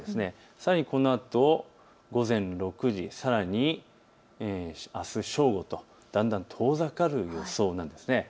さらにこのあと午前６時、あす正午とだんだんと遠ざかる予想となっています。